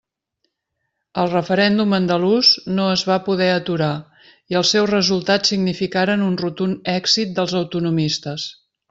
El referèndum andalús no es va poder aturar i els seus resultats significaren un rotund èxit dels autonomistes.